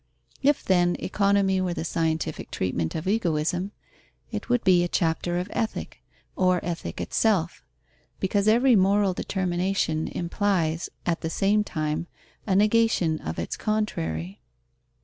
If, then, Economy were the scientific treatment of egoism, it would be a chapter of Ethic, or Ethic itself; because every moral determination implies, at the same time, a negation of its contrary.